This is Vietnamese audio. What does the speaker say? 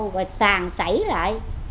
rồi sàn sảy lại